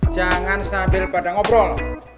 jangan sambil pada ngobrol